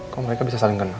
kok mereka bisa saling kenal